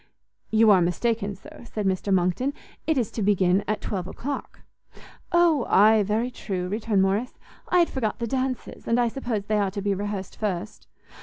"You are mistaken, sir," said Mr Monckton; "it is to begin at twelve o'clock." "O ay, very true," returned Morrice; "I had forgot the dances, and I suppose they are to be rehearsed first.